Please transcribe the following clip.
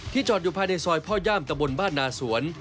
จอดอยู่ภายในซอยพ่อย่ามตะบนบ้านนาสวน